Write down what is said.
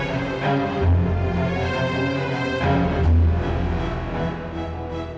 pokoknya atmosphere nya sudah membaik